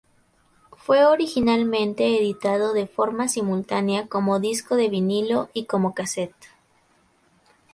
Fue originalmente editado de forma simultánea como disco de vinilo y como casete.